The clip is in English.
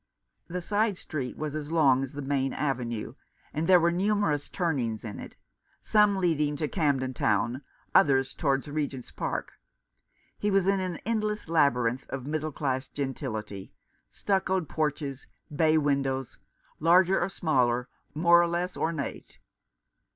The side street was as long as the main avenue, and there were numerous turnings in it ; some leading to Camden Town, others towards Regent's Park. He was in an endless labyrinth of middle class gentility ; stuccoed porches, bay windows, larger or smaller, more or less ornate.